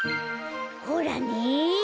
ほらね。